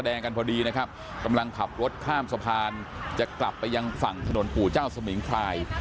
แดงกันพอดีนะครับกำลังขับรถข้ามสะพานจะกลับไปยังฝั่งถนนปู่เจ้าสมิงพราย